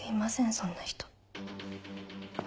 そんな人。